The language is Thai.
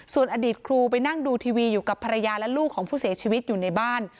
ส่วนอดีตครูไปนั่งดูทีวีอยู่กับภรรยาและลูกของผู้เสียชีวิตอยู่ในบ้าน